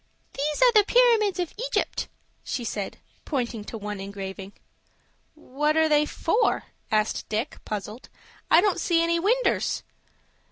"There are the Pyramids of Egypt," she said, pointing to one engraving. "What are they for?" asked Dick, puzzled. "I don't see any winders."